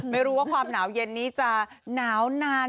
ไม่รู้ว่าความหนาวเย็นนี้จะหนาวนาน